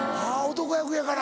男役やから。